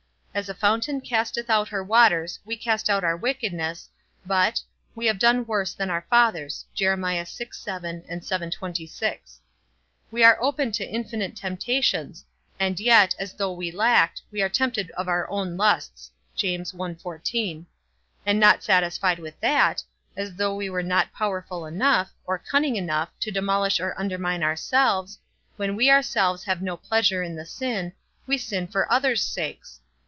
As a fountain casteth out her waters, we cast out our wickedness, but we have done worse than our fathers. We are open to infinite temptations, and yet, as though we lacked, we are tempted of our own lusts. And not satisfied with that, as though we were not powerful enough, or cunning enough, to demolish or undermine ourselves, when we ourselves have no pleasure in the sin, we sin for others' sakes.